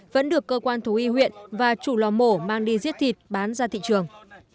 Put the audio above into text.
vẫn được cơ quan thú y huyện và chủ lò mổ mang đi giết thịt bán ra thị trường